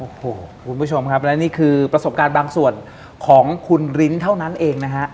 โอ้โหคุณผู้ชมครับและนี่คือประสบการณ์บางส่วนของคุณลิ้นเท่านั้นเองนะฮะ